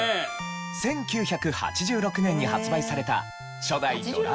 １９８６年に発売された初代『ドラゴンクエスト』。